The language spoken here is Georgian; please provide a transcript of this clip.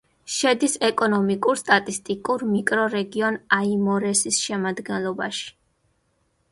შედის ეკონომიკურ-სტატისტიკურ მიკრორეგიონ აიმორესის შემადგენლობაში.